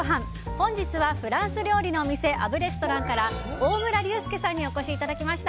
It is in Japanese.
本日はフランス料理のお店アブレストランから大村隆亮さんにお越しいただきました。